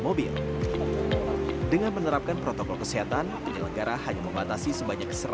mobil dengan menerapkan protokol kesehatan penyelenggara hanya membatasi sebanyak